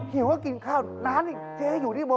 นี่หิวมากเลยหิว